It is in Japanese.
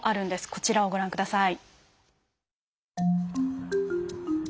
こちらをご覧ください。